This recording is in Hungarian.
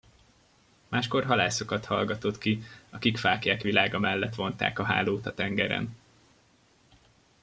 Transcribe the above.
Máskor halászokat hallgatott ki, akik fáklyák világa mellett vonták a hálót a tengeren.